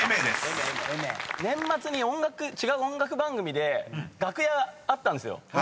年末に違う音楽番組で楽屋あったんですよ。